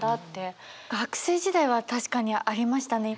学生時代は確かにありましたね。